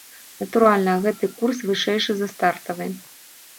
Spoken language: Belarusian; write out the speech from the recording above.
Натуральна, гэты курс вышэйшы за стартавы.